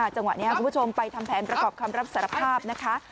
จังหวะนี้คุณผู้ชมไปทำแผนประกอบคำรับสารภาพนะคะ